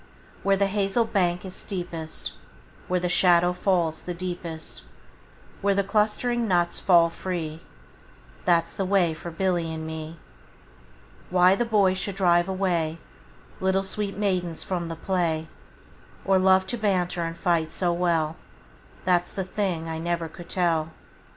Where the hazel bank is steepest, Where the shadow falls the deepest, Where the clustering nuts fall free, 15 That 's the way for Billy and me. Why the boys should drive away Little sweet maidens from the play, Or love to banter and fight so well, That 's the thing I never could tell.